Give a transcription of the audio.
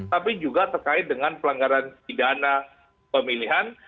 tapi juga terkait dengan pelanggaran pidana pemilihan